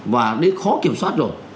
và đến khó kiểm soát rồi